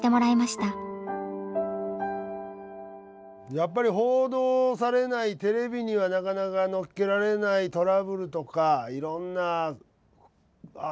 やっぱり報道されないテレビにはなかなかのっけられないトラブルとかいろんなああ